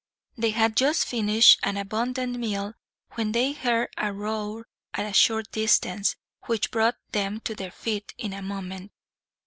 They had just finished an abundant meal when they heard a roar at a short distance, which brought them to their feet in a moment.